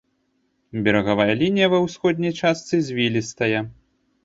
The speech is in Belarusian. Берагавая лінія ва ўсходняй частцы звілістая.